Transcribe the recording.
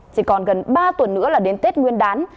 chỉ còn gần ba tuần nữa là đến tết nguyên đán